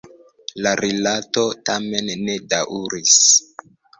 La rilato tamen ne daŭris.